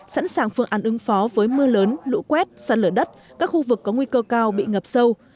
sẵn sàng phương án ứng phó với mưa lớn lũ quét sạt lở đất các khu vực có nguy cơ cao bị ngập sâu